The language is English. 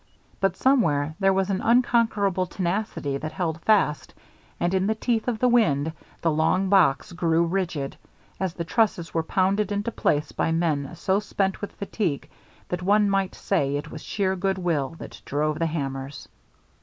But somewhere there was an unconquerable tenacity that held fast, and in the teeth of the wind the long box grew rigid, as the trusses were pounded into place by men so spent with fatigue that one might say it was sheer good will that drove the hammers.